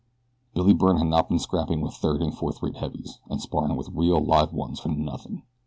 Billy Byrne had not been scrapping with third and fourth rate heavies, and sparring with real, live ones for nothing.